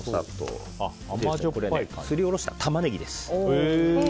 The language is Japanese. そしてすりおろしたタマネギです。